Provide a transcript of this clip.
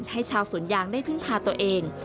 ให้ชาวสวนยางได้พึ่งพาตัวเอง